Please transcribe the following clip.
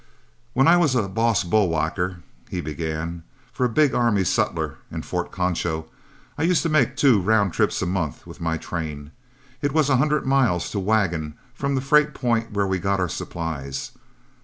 "When I was boss bull whacker," he began, "for a big army sutler at Fort Concho, I used to make two round trips a month with my train. It was a hundred miles to wagon from the freight point where we got our supplies.